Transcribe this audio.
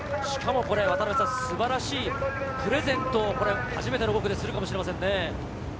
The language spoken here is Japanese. しかも素晴らしいプレゼントを初めての５区でするかもしれませんね。